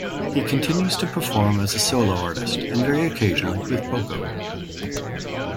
He continues to perform as a solo artist, and very occasionally with Poco.